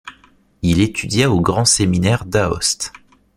Il étudia au Grand Séminaire d'Aoste.